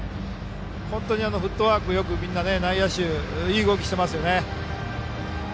本当にフットワークよくみんな、内野手いい動きしてますね。